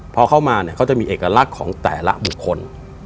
พอเข้ามาเนี่ยเขาจะมีเอกลักษณ์ของแต่ละบุคคล